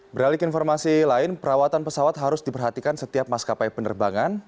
beralik informasi lain perawatan pesawat harus diperhatikan setiap maskapai penerbangan